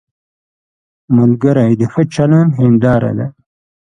ملګری د ښه چلند هنداره ده